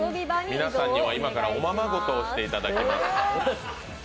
皆さんには今からおままごとをしてもらいます。